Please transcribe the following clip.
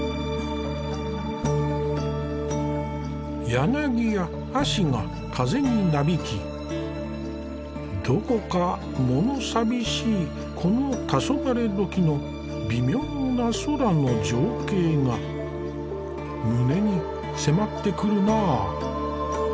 柳や葦が風になびきどこか物寂しいこの黄昏時の微妙な空の情景が胸に迫ってくるなぁ。